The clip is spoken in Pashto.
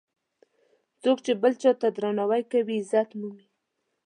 څوک چې بل ته درناوی کوي، عزت مومي.